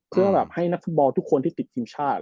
เพื่อแบบให้นักฟุตบอลทุกคนที่ติดทีมชาติ